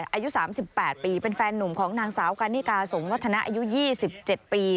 อายุ๓๘ปีเป็นแฟนหนุ่มของนางสาวกันนิกาสงวัฒนะอายุ๒๗ปี